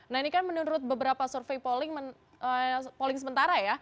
nah ini kan menurut beberapa survei polling polling sementara ya